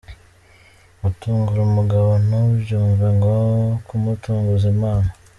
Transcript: Gutungura umugabo ntubyumve nko kumutunguza impano.